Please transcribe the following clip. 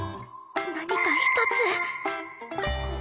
何か一つ